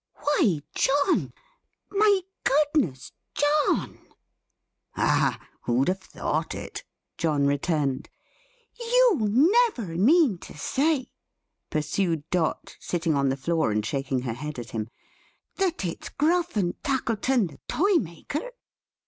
"Why, John! My Goodness, John!" "Ah! who'd have thought it!" John returned. "You never mean to say," pursued Dot, sitting on the floor and shaking her head at him, "that it's Gruff and Tackleton the toymaker!"